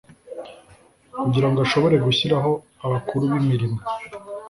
kugira ngo ashobore gushyiraho abakuru b'imirimo